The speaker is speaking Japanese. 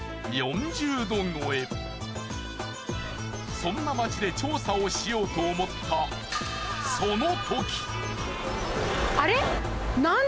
そんな街で調査をしようと思ったあれ？